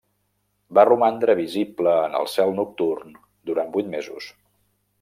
Va romandre visible en el cel nocturn durant vuit mesos.